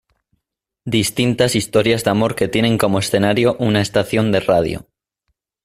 Distintas historias de amor que tienen como escenario una estación de radio.